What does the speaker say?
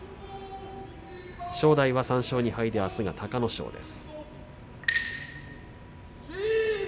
正代は３勝２敗であすは隆の勝です。